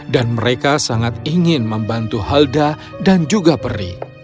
dan mereka sangat ingin membantu helda dan juga peri